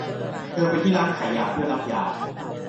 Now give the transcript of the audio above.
เธอไปที่ร้านขายยาเพื่อรับยา